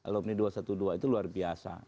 alumni dua ratus dua belas itu luar biasa